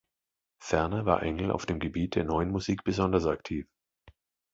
Ferner war Engel auf dem Gebiet der Neuen Musik besonders aktiv.